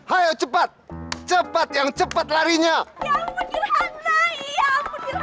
ayo cepat cepat yang cepat larinya ya ayo cepat cepat yang cepat larinya ya ayo cepat yang cepat larinya